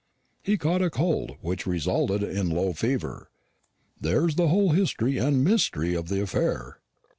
He caught a cold; which resulted in low fever. There is the whole history and mystery of the affair."